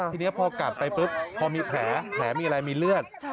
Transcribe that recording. ทีนี้พอกัดไปปุ๊บพอมีแผลมีอะไรมีเลือด